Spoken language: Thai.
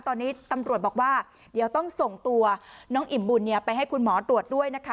ตอนนี้ตำรวจบอกว่าเดี๋ยวต้องส่งตัวน้องอิ่มบุญไปให้คุณหมอตรวจด้วยนะคะ